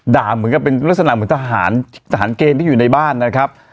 เหมือนกับเป็นลักษณะเหมือนทหารทหารเกณฑ์ที่อยู่ในบ้านนะครับ